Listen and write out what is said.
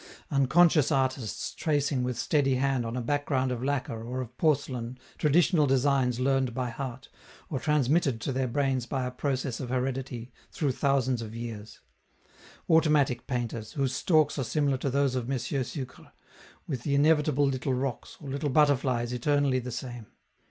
Unconscious artists tracing with steady hand on a background of lacquer or of porcelain traditional designs learned by heart, or transmitted to their brains by a process of heredity through thousands of years; automatic painters, whose storks are similar to those of M. Sucre, with the inevitable little rocks, or little butterflies eternally the same.